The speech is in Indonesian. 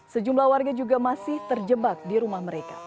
sejumlah warga juga masih terjebak di rumah mereka